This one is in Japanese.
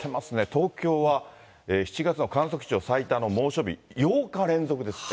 東京は７月の観測史上最多の猛暑日、８日連続ですって。